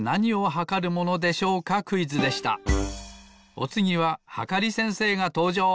おつぎははかり先生がとうじょう！